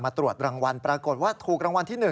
ตรวจรางวัลปรากฏว่าถูกรางวัลที่๑